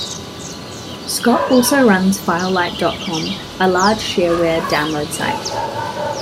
Scott also runs FileLight dot com, a large shareware download site.